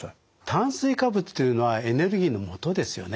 炭水化物というのはエネルギーのもとですよね。